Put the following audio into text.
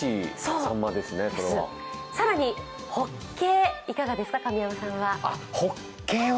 更にホッケ、いかがですか、神山さんは。